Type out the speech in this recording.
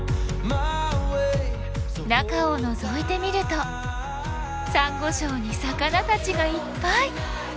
中をのぞいてみるとサンゴ礁に魚たちがいっぱい！